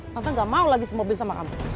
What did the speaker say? tante gak mau lagi semobil sama kamu